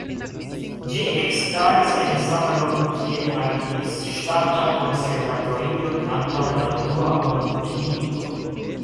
Ĝi ekstaris en la sama loko kie agis Ŝtata Konservatorio antaŭ la dua mondmilito.